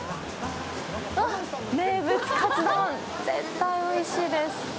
名物カツ丼、絶対おいしいです。